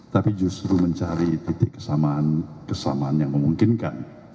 tapi justru mencari titik kesamaan yang memungkinkan